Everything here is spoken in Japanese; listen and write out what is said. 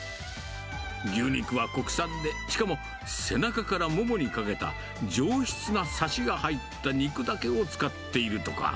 牛肉は国産で、しかも背中からももにかけた上質なサシが入った肉だけを使っているとか。